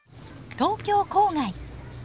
東京郊外。